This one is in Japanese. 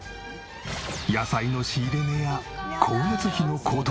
野菜の仕入れ値や光熱費の高騰。